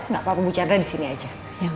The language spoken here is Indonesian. gak apa apa bu chandra disini aja